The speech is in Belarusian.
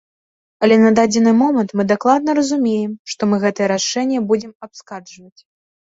Але на дадзены момант мы дакладна разумеем, што мы гэтае рашэнне будзем абскарджваць.